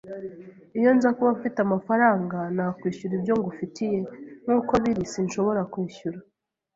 Iyo nza kuba mfite amafaranga, nakwishyura ibyo ngufitiye. Nkuko biri, sinshobora kwishyura.